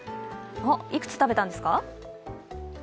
いくつ食べたんですか？